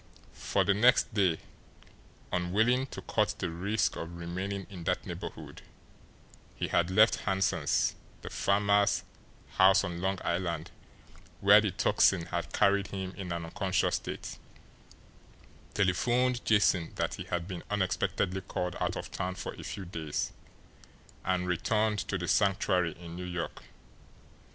For, the next day, unwilling to court the risk of remaining in that neighbourhood, he had left Hanson's, the farmer's, house on Long Island where the Tocsin had carried him in an unconscious state, telephoned Jason that he had been unexpectedly called out of town for a few days, and returned to the Sanctuary in New York.